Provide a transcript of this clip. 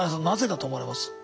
なぜだと思われます？